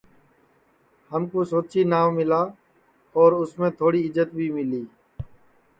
ہمکو سوچی ناو ملا اور اُس میں تھوڑی عزت بھی ملی